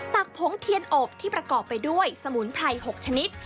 ักผงเทียนอบที่ประกอบไปด้วยสมุนไพร๖ชนิด